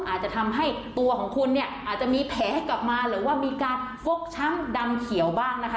อาจจะทำให้ตัวของคุณเนี่ยอาจจะมีแผลกลับมาหรือว่ามีการฟกช้ำดำเขียวบ้างนะคะ